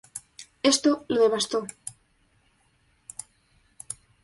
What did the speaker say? Esto lo devastó.